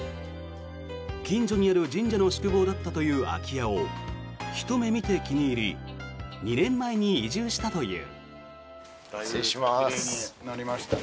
近所にある神社の宿坊だったという空き家をひと目見て気に入り２年前に移住したという。